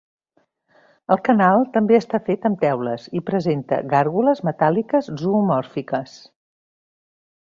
El canal també està fet amb teules i presenta gàrgoles metàl·liques zoomòrfiques.